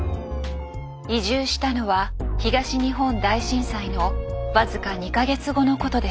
移住したのは東日本大震災の僅か２か月後のことでした。